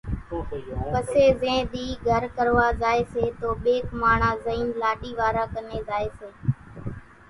پسي زين ۮِي گھر ڪروا زائيَ سي تو ٻيڪ ماڻۿان زئينَ لاڏِي واران ڪنين زائيَ سي۔